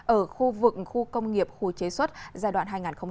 ở khu vực khu công nghiệp khu chế xuất giai đoạn hai nghìn một mươi tám hai nghìn hai mươi